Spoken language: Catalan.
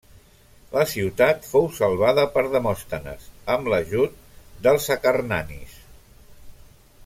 La ciutat fou salvada per Demòstenes amb l'ajut dels acarnanis.